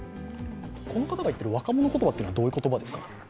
この方が言っている若者言葉はどういった言葉ですか？